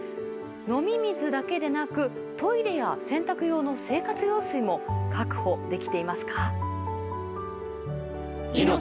飲み水だけでなくトイレや洗濯用の生活用水も確保できていますか？